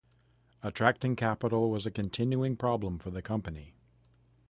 Attracting capital was a continuing problem for the company.